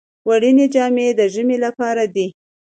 وړینې جامې د ژمي لپاره دي